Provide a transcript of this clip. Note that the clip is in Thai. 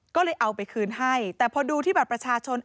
ก็เลยเอาไปคืนให้แต่พอดูที่บัตรประชาชน